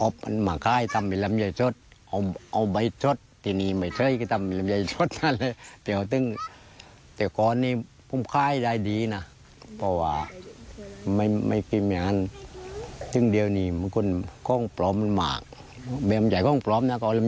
ถ้าเอาลำใยออกมาค่ายมันจะเป็นลำใยสดที่ขอพระ